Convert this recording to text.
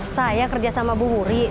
saya kerja sama bu wuri